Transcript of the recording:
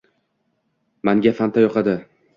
Manga fanta yoqadi.